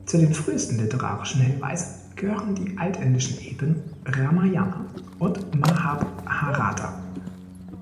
Zu den frühesten literarischen Hinweisen gehören die altindischen Epen "Ramayana" und "Mahabharata".